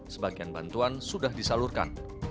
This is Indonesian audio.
sebagian bantuan sudah disalurkan